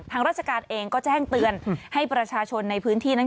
ทางราชการเองก็แจ้งเตือนให้ประชาชนในพื้นที่นั้น